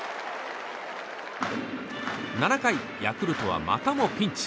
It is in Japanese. ７回、ヤクルトはまたもピンチ。